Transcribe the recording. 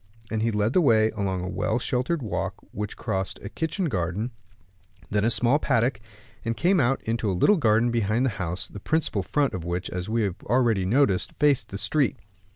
And he led the way along a well sheltered walk, which crossed a kitchen garden, then a small paddock, and came out into a little garden behind the house, the principal front of which, as we have already noticed, faced the street.